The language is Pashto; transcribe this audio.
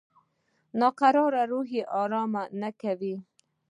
ناکراره روح یې آرام نه ورکاوه.